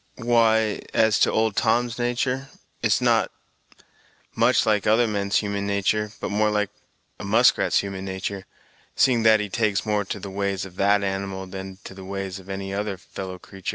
"Why, as to old Tom's human natur', it is not much like other men's human natur', but more like a muskrat's human natar', seeing that he takes more to the ways of that animal than to the ways of any other fellow creatur'.